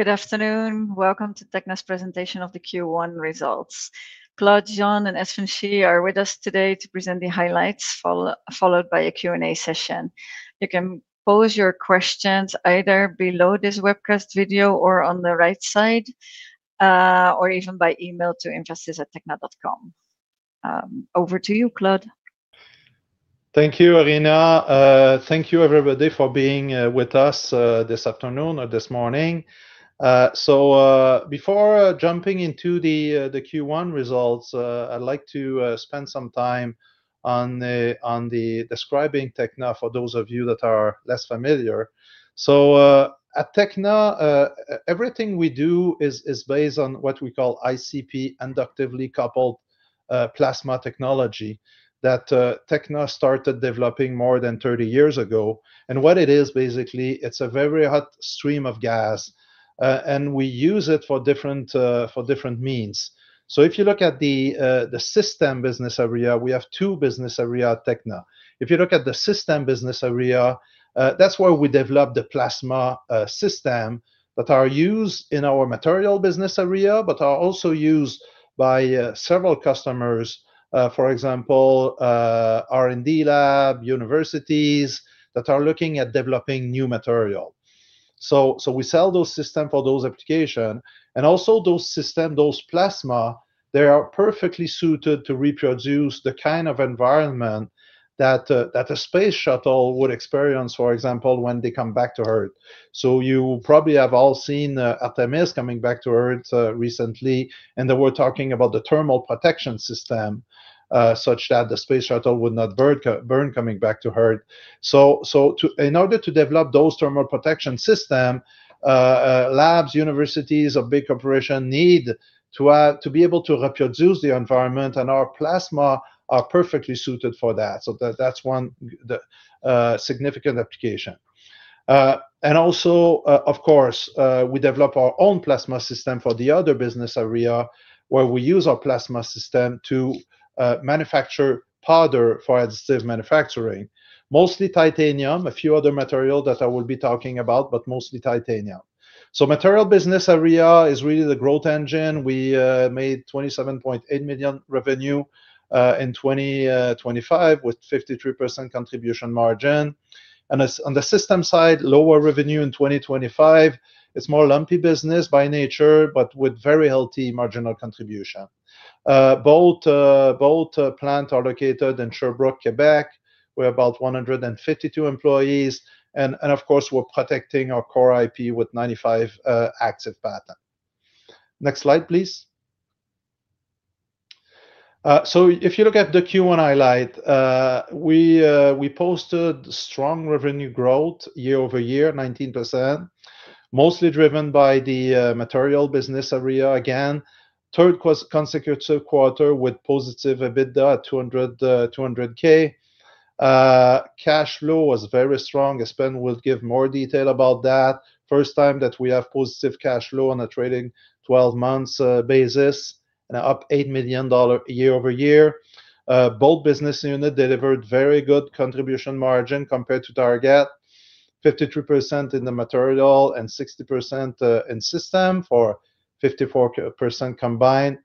Good afternoon. Welcome to Tekna's presentation of the Q1 results. Claude Jean and Espen Schie are with us today to present the highlights, followed by a Q&A session. You can pose your questions either below this webcast video or on the right side, or even by email to investors@tekna.com. Over to you, Claude. Thank you, Arina. Thank you everybody for being with us this afternoon or this morning. Before jumping into the Q1 results, I'd like to spend some time on describing Tekna for those of you that are less familiar. At Tekna, everything we do is based on what we call ICP inductively coupled plasma technology that Tekna started developing more than 30 years ago. What it is basically, it's a very hot stream of gas, and we use it for different for different means. If you look at the system business area, we have two business area at Tekna. If you look at the system business area, that's where we develop the plasma system that are used in our material business area, but are also used by several customers, for example, R&D lab, universities that are looking at developing new material. So we sell those system for those application. Also those system, those plasma, they are perfectly suited to reproduce the kind of environment that a space shuttle would experience, for example, when they come back to Earth. You probably have all seen Artemis coming back to Earth recently, and they were talking about the thermal protection system such that the space shuttle would not burn coming back to Earth. In order to develop those thermal protection system, labs, universities, or big corporation need to have to be able to reproduce the environment and our plasma are perfectly suited for that. That's one significant application. Also, of course, we develop our own plasma system for the other business area where we use our plasma system to manufacture powder for additive manufacturing. Mostly titanium, a few other material that I will be talking about, but mostly titanium. Material business area is really the growth engine. We made 27.8 million revenue in 2025 with 53% contribution margin. As on the system side, lower revenue in 2025. It's more lumpy business by nature, but with very healthy marginal contribution. Both plant are located in Sherbrooke, Quebec. We're about 152 employees and of course, we're protecting our core IP with 95 active patent. Next slide, please. If you look at the Q1 highlight, we posted strong revenue growth year-over-year, 19%, mostly driven by the material business area again. Third consecutive quarter with positive EBITDA at 200,000. Cash flow was very strong. Espen will give more detail about that. First time that we have positive cash flow on a trailing 12 months basis, and up 8 million dollar year-over-year. Both business unit delivered very good contribution margin compared to target. 53% in the material and 60% in system for 54% combined.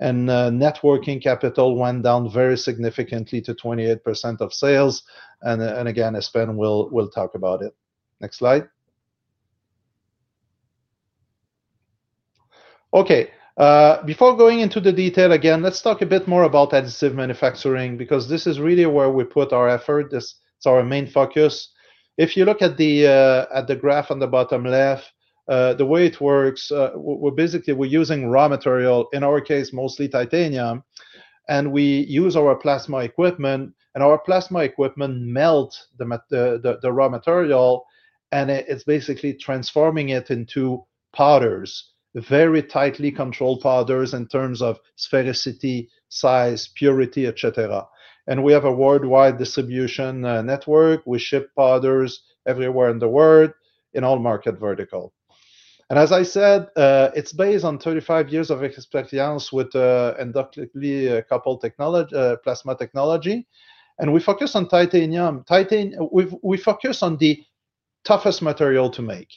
Net working capital went down very significantly to 28% of sales. Again, Espen will talk about it. Next slide. Okay. Before going into the detail again, let's talk a bit more about additive manufacturing because this is really where we put our effort. This is our main focus. If you look at the graph on the bottom left, the way it works, we're basically using raw material, in our case mostly titanium, and we use our plasma equipment and our plasma equipment melt the raw material and it's basically transforming it into powders. Very tightly controlled powders in terms of sphericity, size, purity, et cetera. We have a worldwide distribution network. We ship powders everywhere in the world in all market vertical. As I said, it's based on 35 years of experience with inductively coupled plasma technology. We focus on titanium. We focus on the toughest material to make,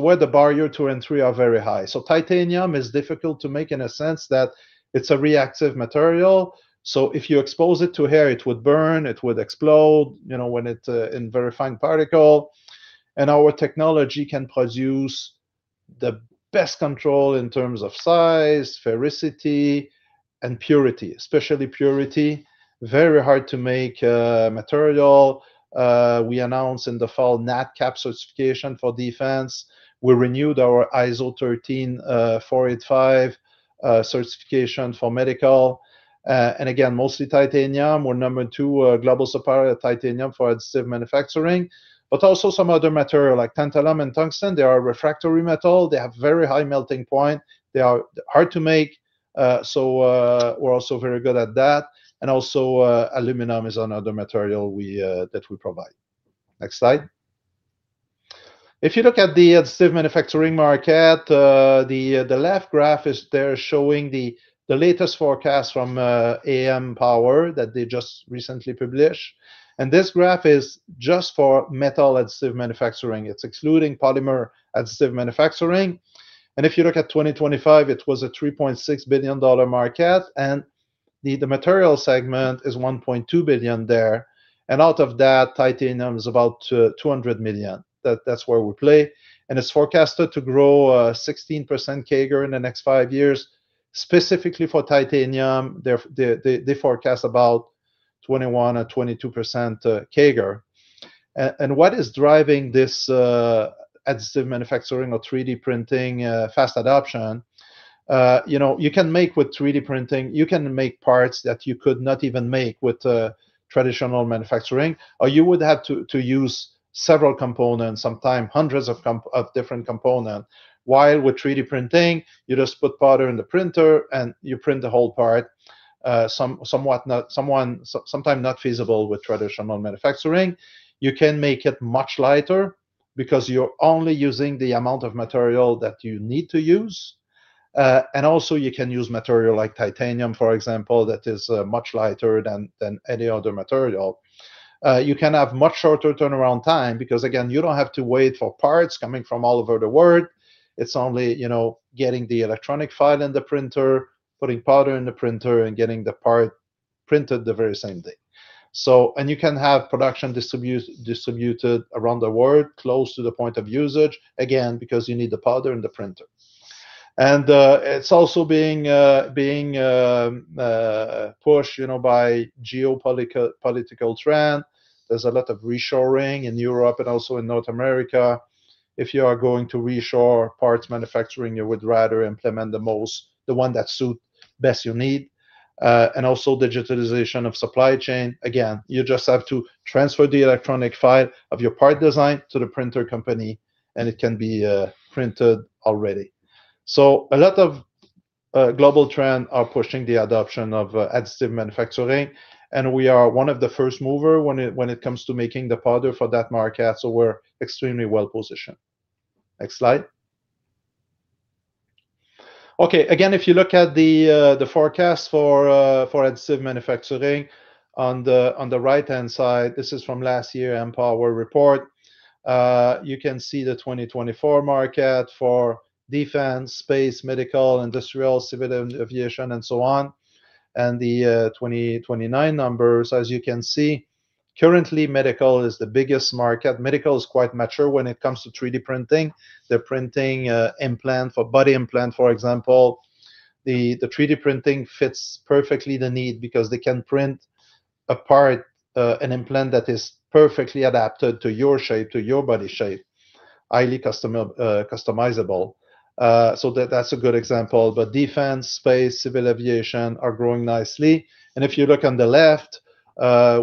where the barrier to entry are very high. Titanium is difficult to make in a sense that it's a reactive material, so if you expose it to air, it would burn, it would explode, you know, when it in very fine particle. Our technology can produce the best control in terms of size, sphericity, and purity, especially purity. Very hard to make material. We announced in the fall NADCAP certification for defense. We renewed our ISO 13485 certification for medical. Again, mostly titanium. We're number two global supplier of titanium for additive manufacturing. Also some other material like tantalum and tungsten. They are refractory metal. They have very high melting point. They are hard to make, we are also very good at that. Also, aluminum is another material we that we provide. Next slide. If you look at the additive manufacturing market, the left graph is there showing the latest forecast from AMPOWER that they just recently published. This graph is just for metal additive manufacturing. It is excluding polymer additive manufacturing. If you look at 2025, it was a 3.6 billion dollar market. The Material segment is 1.2 billion there, and out of that, titanium is about 200 million. That is where we play. It is forecasted to grow 16% CAGR in the next five years. Specifically for titanium, they forecast about 21% or 22% CAGR. What is driving this additive manufacturing or 3D printing fast adoption? You know, you can make with 3D printing, you can make parts that you could not even make with traditional manufacturing. You would have to use several components, sometimes hundreds of different components. With 3D printing, you just put powder in the printer and you print the whole part. Sometimes not feasible with traditional manufacturing. You can make it much lighter because you're only using the amount of material that you need to use. Also you can use material like titanium, for example, that is much lighter than any other material. You can have much shorter turnaround time because, again, you don't have to wait for parts coming from all over the world. It's only, you know, getting the electronic file in the printer, putting powder in the printer, and getting the part printed the very same day. You can have production distributed around the world close to the point of usage, again, because you need the powder and the printer. It's also being pushed, you know, by geopolitical trend. There's a lot of reshoring in Europe and also in North America. If you are going to reshore parts manufacturing, you would rather implement the most, the one that suit best your need. Also digitalization of supply chain. Again, you just have to transfer the electronic file of your part design to the printer company, and it can be printed already. A lot of global trend are pushing the adoption of additive manufacturing, and we are one of the first mover when it comes to making the powder for that market. We're extremely well-positioned. Next slide. Okay. Again, if you look at the forecast for additive manufacturing on the right-hand side, this is from last year AMPOWER report. You can see the 2024 market for defense, space, medical, industrial, civil aviation and so on, and the 2029 numbers. As you can see, currently medical is the biggest market. Medical is quite mature when it comes to 3D printing. They're printing implant for body implant, for example. The 3D printing fits perfectly the need because they can print a part, an implant that is perfectly adapted to your shape, to your body shape. Highly customizable. That's a good example. Defense, space, civil aviation are growing nicely. If you look on the left,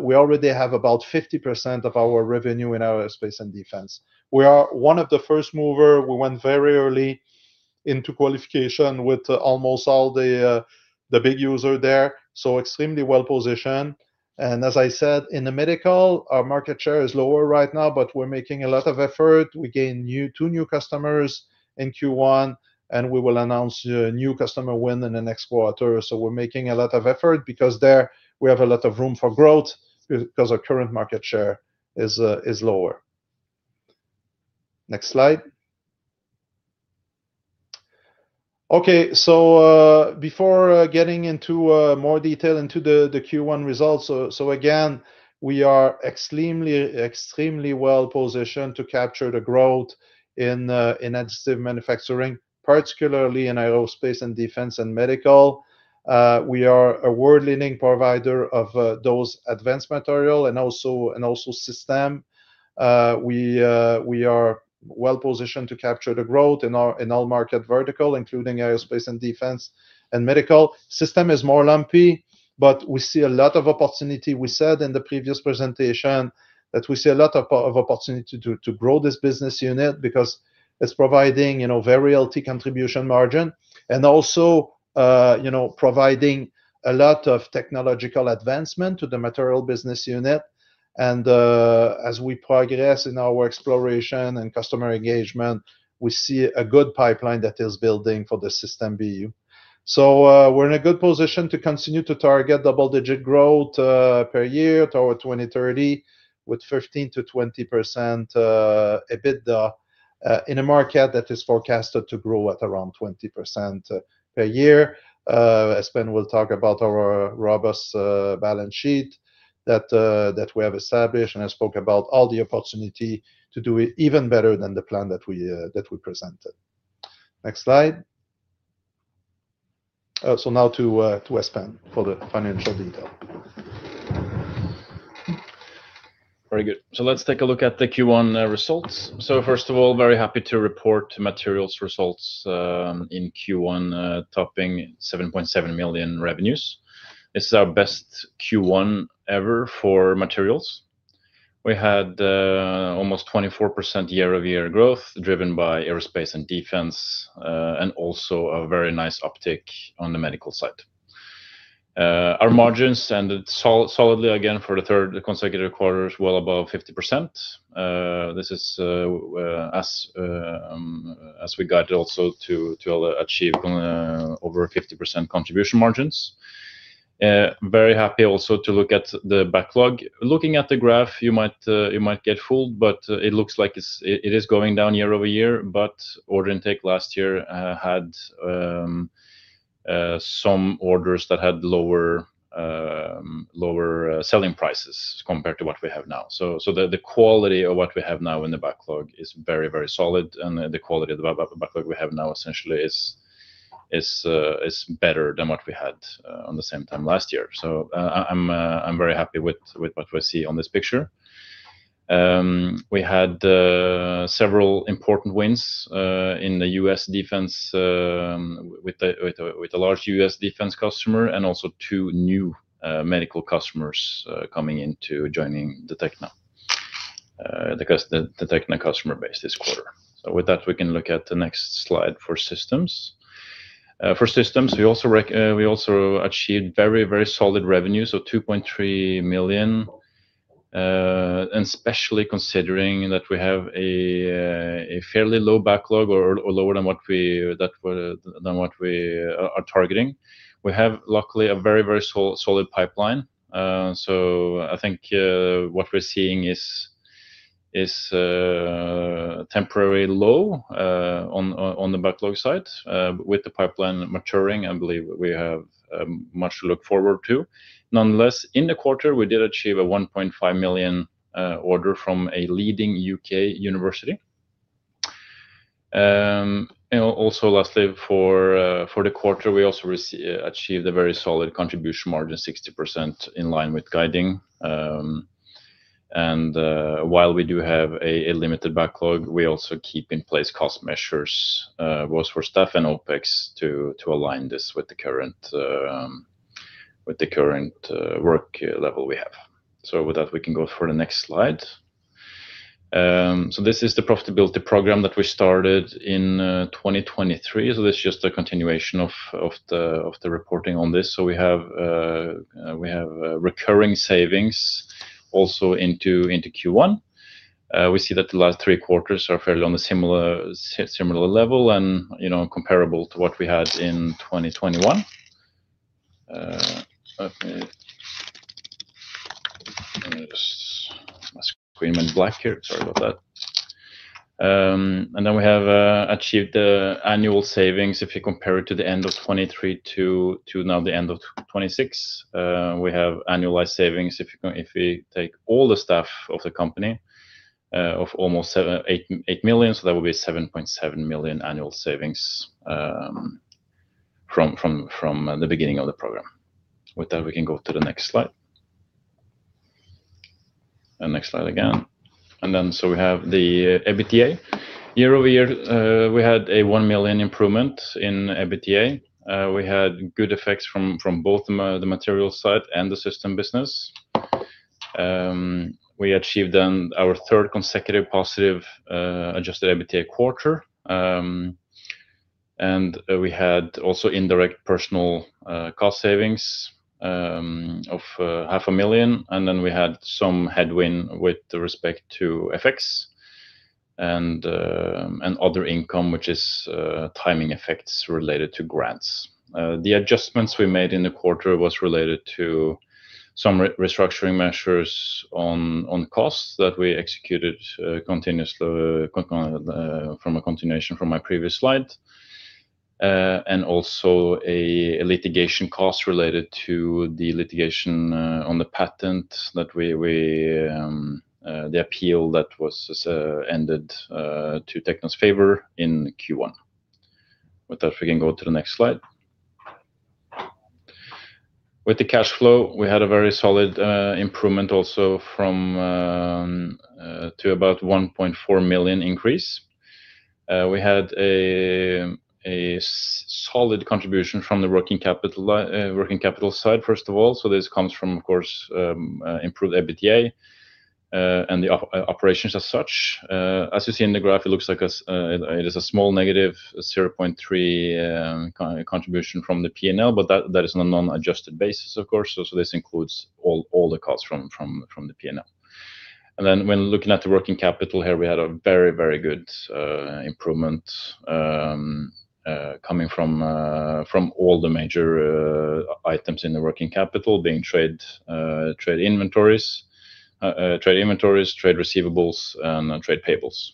we already have about 50% of our revenue in aerospace and defense. We are one of the first mover. We went very early into qualification with almost all the big user there, so extremely well-positioned. As I said, in the medical, our market share is lower right now, but we're making a lot of effort. We gained two new customers in Q1, we will announce a new customer win in the next quarter. We're making a lot of effort because there we have a lot of room for growth because our current market share is lower. Next slide. Okay. Before getting into more detail into the Q1 results. Again, we are extremely well-positioned to capture the growth in additive manufacturing, particularly in aerospace and defense and medical. We are a world-leading provider of those advanced material and also system. We are well-positioned to capture the growth in all market vertical, including aerospace and defense and medical. System is more lumpy, but we see a lot of opportunity. We said in the previous presentation that we see a lot of opportunity to grow this business unit because it's providing, you know, very healthy contribution margin and also, you know, providing a lot of technological advancement to the Material business unit. As we progress in our exploration and customer engagement, we see a good pipeline that is building for the system BU. We're in a good position to continue to target double-digit growth per year toward 2030 with 15%-20% EBITDA in a market that is forecasted to grow at around 20% per year. Espen will talk about our robust balance sheet that we have established, I spoke about all the opportunity to do it even better than the plan that we presented. Next slide. Now to Espen for the financial detail. Very good. Let's take a look at the Q1 results. First of all, very happy to report Materials results in Q1, topping 7.7 million revenues. This is our best Q1 ever for Materials. We had almost 24% year-over-year growth driven by aerospace and defense, and also a very nice uptick on the medical side. Our margins ended solidly again for the third consecutive quarter, well above 50%. This is as we guide also to achieve over 50% contribution margins. Very happy also to look at the backlog. Looking at the graph, you might you might get fooled, but it looks like it is going down year-over-year. Order intake last year had some orders that had lower selling prices compared to what we have now. The quality of what we have now in the backlog is very, very solid, and the quality of the backlog we have now essentially is better than what we had on the same time last year. I'm very happy with what we see on this picture. We had several important wins in the U.S. defense with the large U.S. defense customer and also two new medical customers coming into joining Tekna, the Tekna customer base this quarter. With that, we can look at the next slide for systems. For systems, we also achieved very, very solid revenue, so 2.3 million. Especially considering that we have a fairly low backlog or lower than what we are targeting. We have luckily a very, very solid pipeline. I think what we're seeing is temporary low on the backlog side. With the pipeline maturing, I believe we have much to look forward to. Nonetheless, in the quarter, we did achieve a 1.5 million order from a leading U.K. university. Also lastly for the quarter, we also achieved a very solid contribution margin, 60% in line with guiding. While we do have a limited backlog, we also keep in place cost measures, both for staff and OpEx to align this with the current, with the current work level we have. With that, we can go for the next slide. This is the profitability program that we started in 2023. This is just a continuation of the reporting on this. We have recurring savings also into Q1. We see that the last three quarters are fairly on a similar level and, you know, comparable to what we had in 2021. Okay. My screen went black here. Sorry about that. Then we have achieved the annual savings. If you compare it to the end of 23 to now the end of 26, we have annualized savings. If we take all the staff of the company, that would be 7.7 million annual savings from the beginning of the program. With that, we can go to the next slide. Next slide again. We have the EBITDA. Year-over-year, we had a 1 million improvement in EBITDA. We had good effects from both the materials side and the system business. We achieved our third consecutive positive adjusted EBITDA quarter. We had also indirect personal cost savings of half a million NOK. We had some headwind with respect to FX and other income, which is timing effects related to grants. The adjustments we made in the quarter was related to some restructuring measures on costs that we executed continuously from a continuation from my previous slide. Also a litigation cost related to the litigation on the patent that we, the appeal that was ended to Tekna's favor in Q1. With that, we can go to the next slide. With the cash flow, we had a very solid improvement also from to about 1.4 million increase. We had a solid contribution from the working capital side, first of all. This comes from, of course, improved EBITDA and operations as such. As you see in the graph, it looks like a small negative, 0.3 contribution from the P&L, but that is on a non-adjusted basis, of course. This includes all the costs from the P&L. When looking at the working capital here, we had a very good improvement coming from all the major items in the working capital being trade inventories, trade receivables, and trade payables.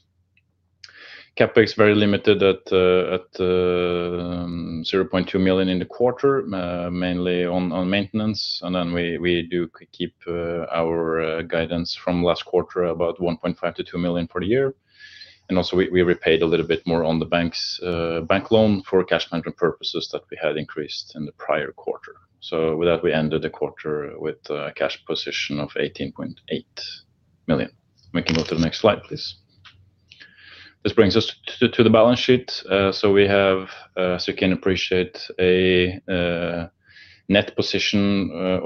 CapEx very limited at 0.2 million in the quarter, mainly on maintenance. We do keep our guidance from last quarter about 1.5 million to 2 million per year. We repaid a little bit more on the bank's bank loan for cash management purposes that we had increased in the prior quarter. With that, we ended the quarter with a cash position of 18.8 million. We can go to the next slide, please. This brings us to the balance sheet. We have, so you can appreciate a net position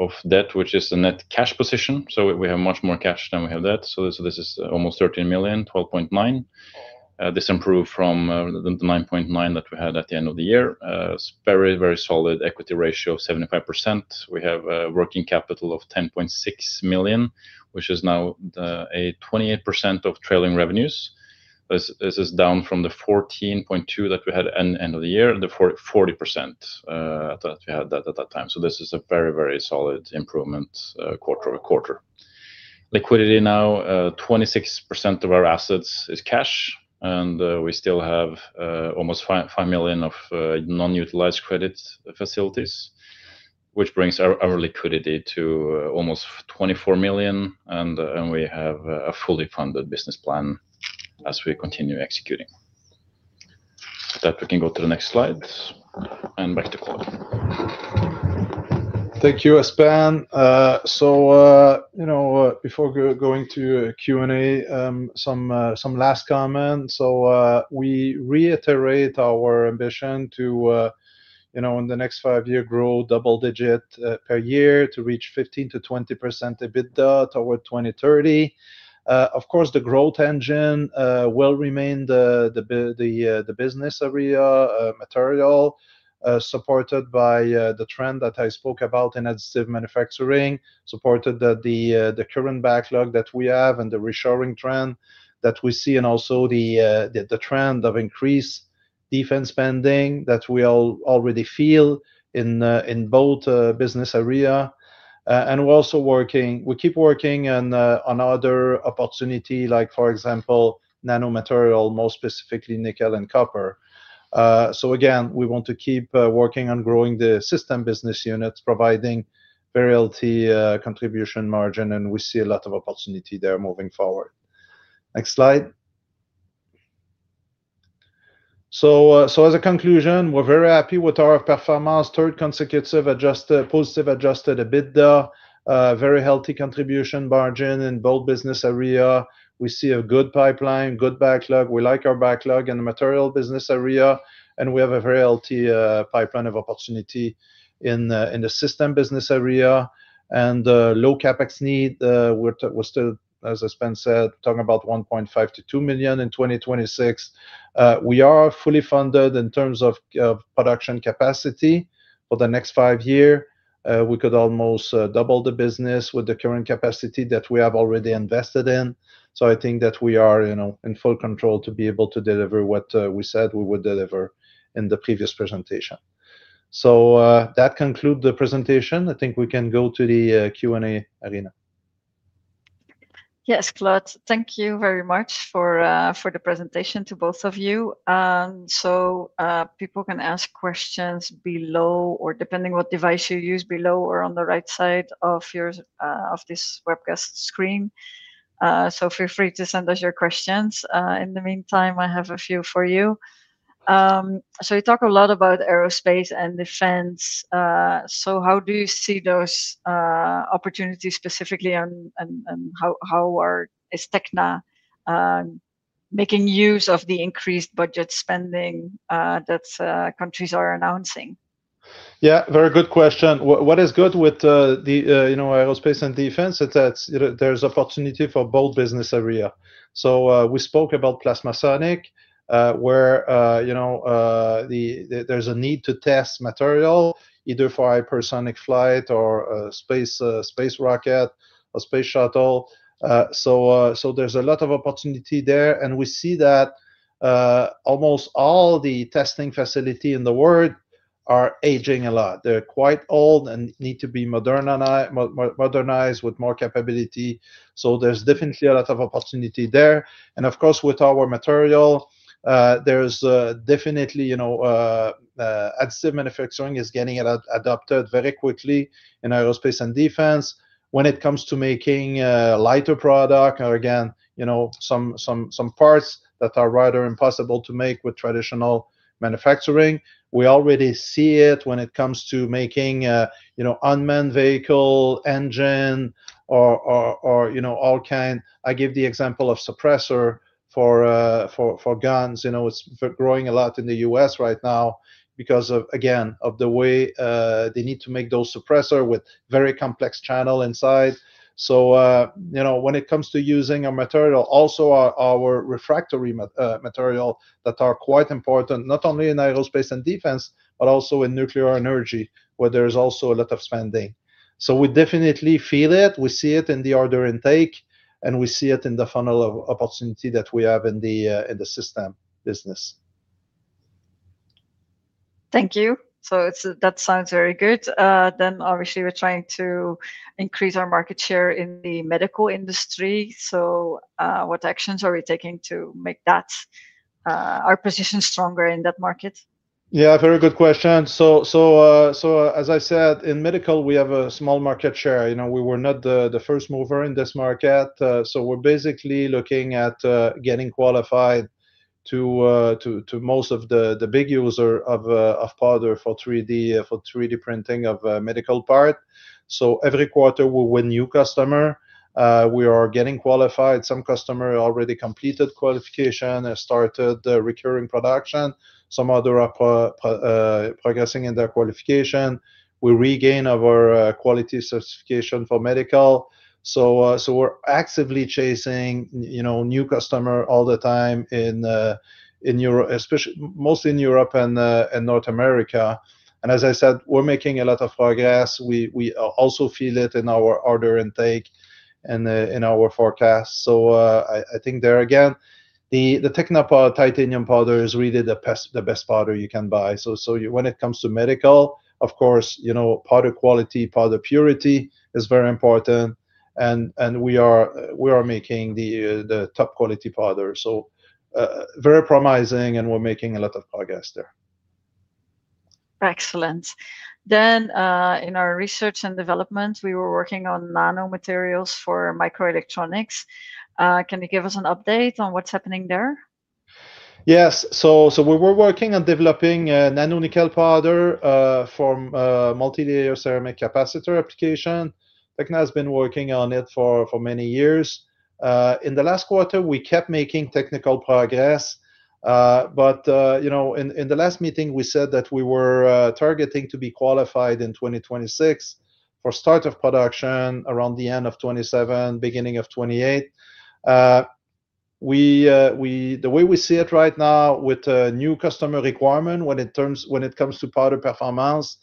of debt, which is the net cash position. We have much more cash than we have debt. This is almost 13 million, 12.9. This improved from the 9.9 that we had at the end of the year. Very, very solid equity ratio of 75%. We have a working capital of 10.6 million, which is now the 28% of trailing revenues. This is down from the 14.2 million that we had end of the year, the 40% that we had at that time. This is a very, very solid improvement quarter-over-quarter. Liquidity now, 26% of our assets is cash, and we still have almost 5 million of non-utilized credit facilities which brings our liquidity to almost 24 million, and we have a fully funded business plan as we continue executing. With that, we can go to the next slide, and back to Claude. Thank you, Espen. You know, before going to Q&A, some last comments. We reiterate our ambition to, you know, in the next 5 years, grow double digit per year to reach 15%-20% EBITDA toward 2030. Of course, the growth engine will remain the business area material, supported by the trend that I spoke about in additive manufacturing, supported the current backlog that we have and the reshoring trend that we see, also the trend of increased defense spending that we already feel in both business area. We keep working on other opportunity like for example, nanomaterial, more specifically nickel and copper. Again, we want to keep working on growing the system business units, providing very healthy contribution margin, and we see a lot of opportunity there moving forward. Next slide. As a conclusion, we're very happy with our performance. Third consecutive positive adjusted EBITDA. Very healthy contribution margin in both business area. We see a good pipeline, good backlog. We like our backlog in the material business area, and we have a very healthy pipeline of opportunity in the system business area. Low CapEx need. We're still, as Espen said, talking about 1.5 million-2 million in 2026. We are fully funded in terms of production capacity for the next five year. We could almost double the business with the current capacity that we have already invested in. I think that we are, you know, in full control to be able to deliver what we said we would deliver in the previous presentation. That conclude the presentation. I think we can go to the Q&A, Arina. Yes, Claude. Thank you very much for the presentation to both of you. People can ask questions below or depending what device you use, below or on the right side of your of this webcast screen. Feel free to send us your questions. In the meantime, I have a few for you. You talk a lot about aerospace and defense, how do you see those opportunities specifically and how is Tekna making use of the increased budget spending that countries are announcing? Very good question. What is good with the aerospace and defense is that there's opportunity for both business area. We spoke about PlasmaSonic where there's a need to test material either for hypersonic flight or space rocket or space shuttle. There's a lot of opportunity there, and we see that almost all the testing facility in the world are aging a lot. They're quite old and need to be modernized with more capability. There's definitely a lot of opportunity there. Of course, with our material, there's definitely, you know, additive manufacturing is getting adopted very quickly in aerospace and defense when it comes to making a lighter product or again, you know, some parts that are rather impossible to make with traditional manufacturing. We already see it when it comes to making, you know, unmanned vehicle engine or, you know, all kind. I give the example of suppressor for guns. You know, it's growing a lot in the U.S. right now because of, again, of the way they need to make those suppressor with very complex channel inside. You know, when it comes to using a material, also our refractory material that are quite important not only in aerospace and defense, but also in nuclear energy, where there is also a lot of spending. We definitely feel it. We see it in the order intake, and we see it in the funnel of opportunity that we have in the system business. Thank you. That sounds very good. Obviously we're trying to increase our market share in the medical industry. What actions are we taking to make that our position stronger in that market? Yeah, very good question. As I said, in medical, we have a small market share. You know, we were not the first mover in this market. We're basically looking at getting qualified to most of the big user of powder for 3D printing of medical part. Every quarter we win new customer. We are getting qualified. Some customer already completed qualification and started the recurring production. Some other are progressing in their qualification. We regain our quality certification for medical. We're actively chasing, you know, new customer all the time in mostly in Europe and North America. As I said, we're making a lot of progress. We also feel it in our order intake and in our forecast. I think there again, the Tekna titanium powder is really the best powder you can buy. When it comes to medical, of course, you know, powder quality, powder purity is very important. We are making the top quality powder. Very promising, and we are making a lot of progress there. Excellent. In our research and development, we were working on nano materials for microelectronics. Can you give us an update on what's happening there? Yes. We were working on developing a nano nickel powder from multilayer ceramic capacitor application. Tekna has been working on it for many years. In the last quarter, we kept making technical progress. You know, in the last meeting, we said that we were targeting to be qualified in 2026 for start of production around the end of 2027, beginning of 2028. We, the way we see it right now with a new customer requirement when it comes to powder performance,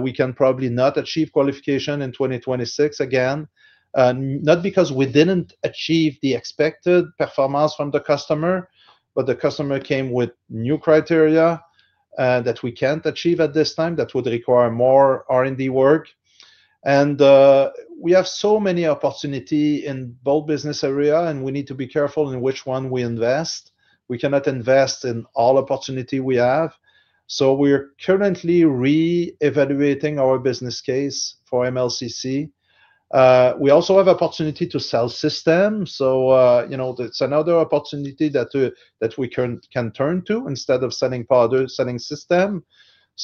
we can probably not achieve qualification in 2026 again. Not because we didn't achieve the expected performance from the customer, but the customer came with new criteria that we can't achieve at this time that would require more R&D work. We have so many opportunity in both business area, and we need to be careful in which one we invest. We cannot invest in all opportunity we have. We're currently re-evaluating our business case for MLCC. We also have opportunity to sell system. You know, that's another opportunity that we can turn to instead of selling powder, selling system.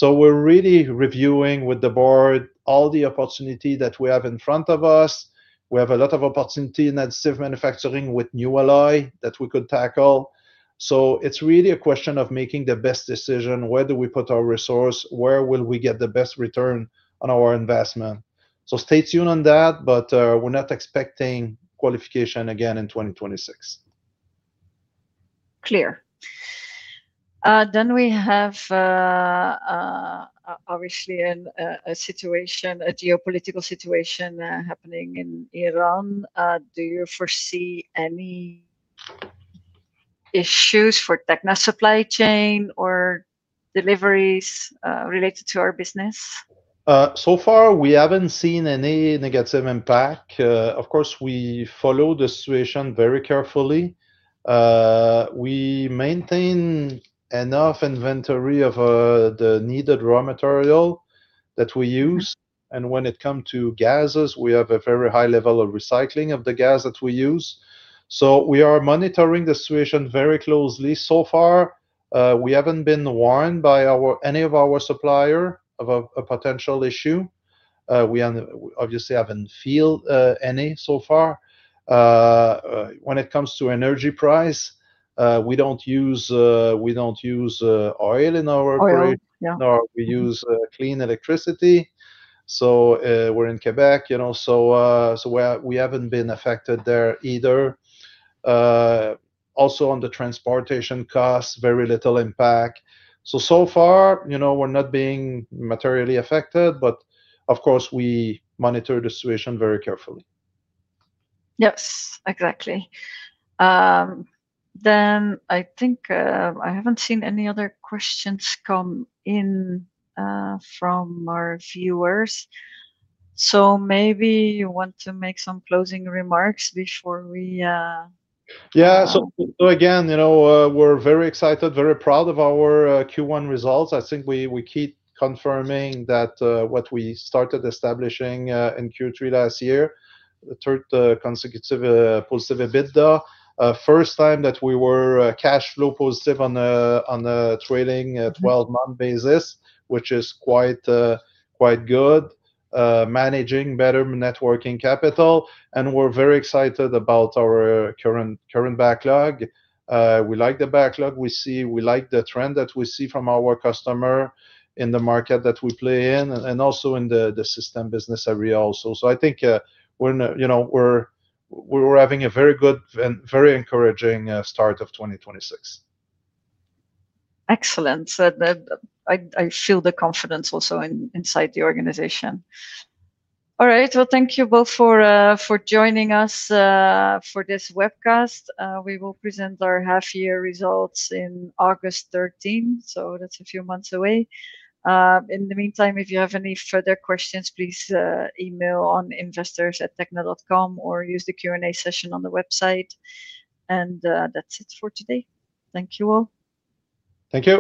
We're really reviewing with the board all the opportunity that we have in front of us. We have a lot of opportunity in additive manufacturing with new alloy that we could tackle. It's really a question of making the best decision, where do we put our resource? Where will we get the best return on our investment? Stay tuned on that, but we're not expecting qualification again in 2026. Clear. We have, obviously a situation, a geopolitical situation, happening in Iran. Do you foresee any issues for Tekna supply chain or deliveries, related to our business? So far, we haven't seen any negative impact. Of course, we follow the situation very carefully. We maintain enough inventory of the needed raw material that we use, and when it come to gases, we have a very high level of recycling of the gas that we use. We are monitoring the situation very closely. So far, we haven't been warned by any of our supplier of a potential issue. We obviously haven't feel any so far. When it comes to energy price, we don't use oil in our operation. No, we use clean electricity. We're in Quebec, you know, so we haven't been affected there either. Also on the transportation cost, very little impact. So far, you know, we're not being materially affected, but of course, we monitor the situation very carefully. Yes, exactly. I think I haven't seen any other questions come in from our viewers. Maybe you want to make some closing remarks before we. Yeah. Again, you know, we're very excited, very proud of our Q1 results. I think we keep confirming that what we started establishing in Q3 last year, the 3rd consecutive positive EBITDA. 1st time that we were cash flow positive on a trailing 12-month basis, which is quite good. Managing better networking capital, and we're very excited about our current backlog. We like the backlog we see. We like the trend that we see from our customer in the market that we play in and also in the system business area also. I think, you know, we're having a very good and very encouraging start of 2026. I feel the confidence also inside the organization. All right. Well, thank you both for joining us for this webcast. We will present our half year results in August 13, so that's a few months away. In the meantime, if you have any further questions, please email on investors@tekna.com or use the Q&A session on the website. That's it for today. Thank you all. Thank you.